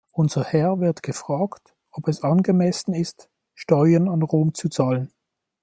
Unser Herr wird gefragt, ob es angemessen ist, Steuern an Rom zu zahlen.